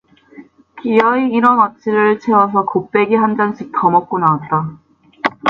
기어이 일 원 어치를 채워서 곱배기 한 잔 씩 더 먹고 나왔다.